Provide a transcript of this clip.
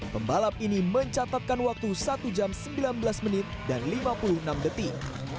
pembalap ini mencatatkan waktu satu jam sembilan belas menit dan lima puluh enam detik